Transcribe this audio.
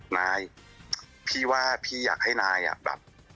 นายพี่ว่าพี่อยากให้นายอ่ะแบบ